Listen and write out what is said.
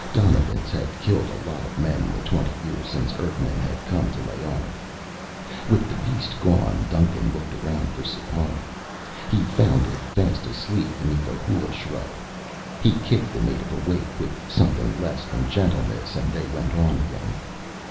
Donovans had killed a lot of men in the twenty years since Earthmen had come to Layard. With the beast gone, Duncan looked around for Sipar. He found it fast asleep beneath a hula shrub. He kicked the native awake with something less than gentleness and they went on again.